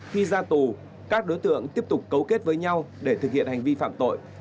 khi ra tù các đối tượng tiếp tục cấu kết với nhau để thực hiện hành vi phạm tội